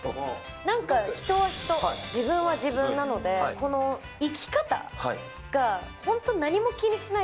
なんか、人は人、自分は自分なので、この生き方が、本当、何も気にしない。